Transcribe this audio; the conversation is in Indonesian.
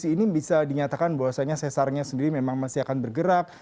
ini bisa dinyatakan bahwasannya sesarnya sendiri memang masih akan bergerak